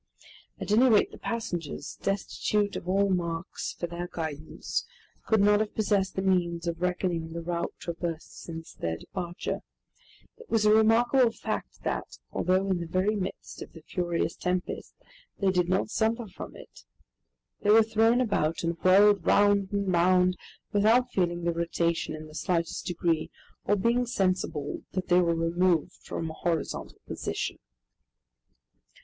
At any rate the passengers, destitute of all marks for their guidance, could not have possessed the means of reckoning the route traversed since their departure. It was a remarkable fact that, although in the very midst of the furious tempest, they did not suffer from it. They were thrown about and whirled round and round without feeling the rotation in the slightest degree, or being sensible that they were removed from a horizontal position.